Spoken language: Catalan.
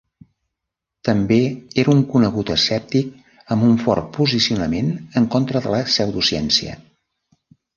També era un conegut escèptic amb un fort posicionament en contra de la pseudociència.